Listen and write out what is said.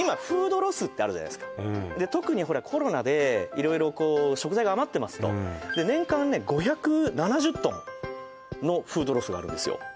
フードロスってあるじゃないすか特にほらコロナで色々こう食材が余ってますと年間ね５７０万トンのフードロスがあるんですよ